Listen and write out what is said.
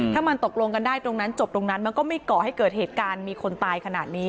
ถ้ามันตกลงกันได้ตรงนั้นจบตรงนั้นมันก็ไม่ก่อให้เกิดเหตุการณ์มีคนตายขนาดนี้